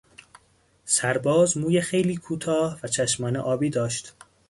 سرباز موی خیلی کوتاه و چشمان آبی داشت.